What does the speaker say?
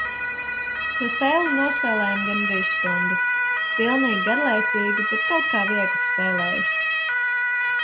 To spēli nospēlējam gandrīz stundu. Pilnīgi garlaicīga, bet kaut kā viegli spēlējas.